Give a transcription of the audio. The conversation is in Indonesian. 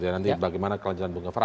nanti bagaimana kelanjutan bunga fara